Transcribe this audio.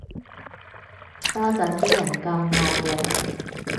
家陣啲人咁惡嘅